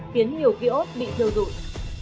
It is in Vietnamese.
khiến nhiều kiếốt bị thiêu rụi